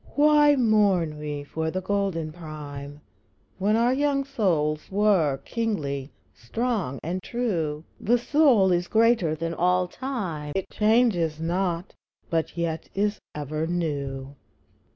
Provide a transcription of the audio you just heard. I. Why mourn we for the golden prime When our young souls were kingly, strong, and true? The soul is greater than all time, It changes not, but yet is ever new.